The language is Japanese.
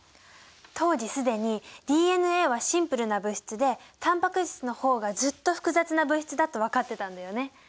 当時既にＤＮＡはシンプルな物質でタンパク質の方がずっと複雑な物質だと分かってたんだよね。